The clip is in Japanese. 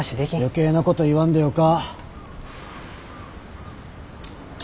余計なこと言わんでよか。